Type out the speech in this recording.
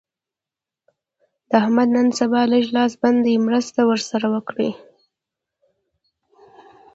د احمد نن سبا لږ لاس بند دی؛ مرسته ور سره وکړه.